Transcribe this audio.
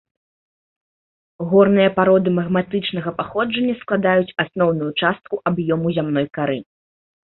Горныя пароды магматычнага паходжання складаюць асноўную частку аб'ёму зямной кары.